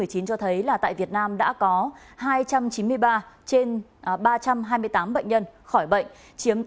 cho thấy là tại việt nam đã có hai trăm chín mươi ba trên ba trăm hai mươi tám bệnh nhân khỏi bệnh chiếm tám mươi